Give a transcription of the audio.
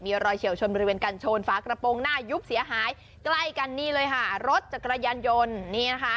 มีรอยเฉียวชนบริเวณกันชนฝากระโปรงหน้ายุบเสียหายใกล้กันนี่เลยค่ะรถจักรยานยนต์นี่นะคะ